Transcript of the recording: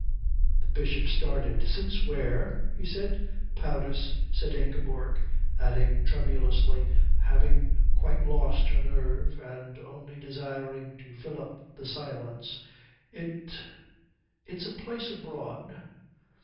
The Bishop started. "Since where?" he said. "Paris," said Ingeborg; adding tremulously, having quite lost her nerve and only desiring to fill up the silence, "it it's a place abroad."